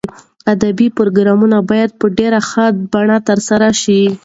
ادبي پروګرامونه باید په ډېر ښه بڼه ترسره شي.